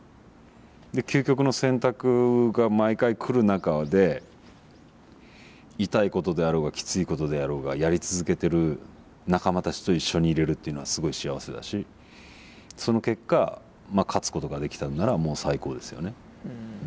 究極の選択が毎回来る中で痛いことであろうがきついことであろうがやり続けてる仲間たちと一緒にいれるっていうのはすごい幸せだしその結果勝つことができたのならもう最高ですよね。